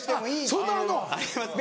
そんなんあんの？